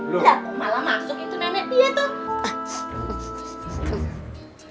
lihat malah masuk itu nenek dia tuh